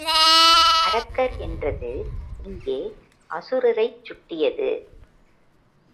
அரக்கர் என்றது இங்கே அசுரரைச் சுட்டியது.